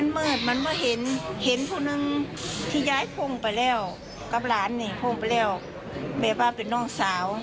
คุณผู้ชมไปฟังเสียงผู้รอดชีวิตกันหน่อยค่ะ